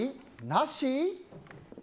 なし？